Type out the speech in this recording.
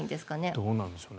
どうなんでしょうね。